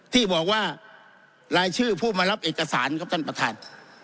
ที่บอกว่ารายชื่อผู้มารับเอกสารครับท่านประธาน